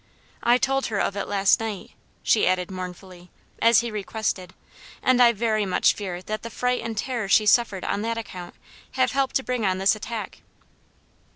I told her of it last night," she added mournfully, "as he requested, and I very much fear that the fright and terror she suffered on that account have helped to bring on this attack."